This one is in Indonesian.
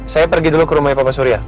saya pergi dulu ke rumahnya pak surya